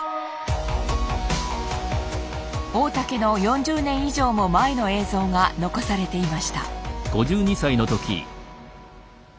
大竹の４０年以上も前の映像が残されていました。